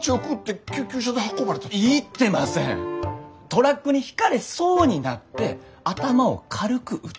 トラックにひかれそうになって頭を軽く打ったって。